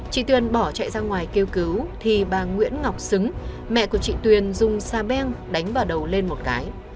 chị tuyền bỏ chạy ra ngoài kêu cứu thì bà nguyễn ngọc xứng mẹ của chị tuyền dùng xà beng đánh vào đầu lên một cái